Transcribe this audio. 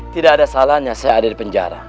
tidak ada salahnya saya ada di penjara